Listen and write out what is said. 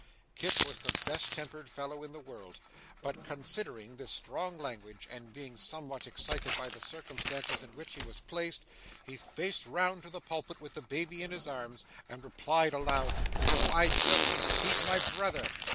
Kit was the best tempered fellow in the world, but considering this strong language, and being somewhat excited by the circumstances in which he was placed, he faced round to the pulpit with the baby in his arms, and replied aloud, 'No, I don't. He's my brother.